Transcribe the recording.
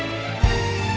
nama itu apa